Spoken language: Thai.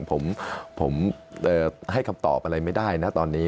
ผมให้คำตอบอะไรไม่ได้นะตอนนี้